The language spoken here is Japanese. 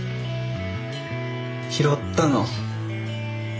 拾ったの。